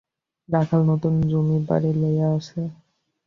রাখাল নূতন জমি-বাড়ি লইয়া আছে।